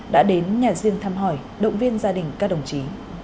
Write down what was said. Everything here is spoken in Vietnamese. đã đến nhà riêng thăm hỏi động viên gia đình các đồng chí